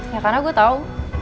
ya karena gue tau